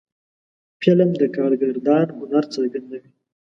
فلم د کارگردان هنر څرګندوي